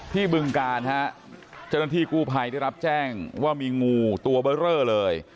ที่บึงกานฮะเจริญฐีกู้ภัยที่รับแจ้งว่ามีงูตัวเบอร์เรอร์เลย